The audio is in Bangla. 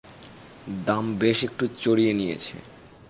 দাম বেশ-একটু চড়িয়ে নিয়েছে।